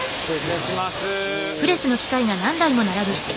失礼します。